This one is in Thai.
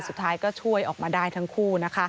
สุดท้ายก็ช่วยออกมาได้ทั้งคู่นะคะ